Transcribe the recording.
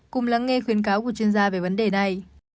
cùng lắng nghe khuyến cáo của chuyên gia về vấn đề này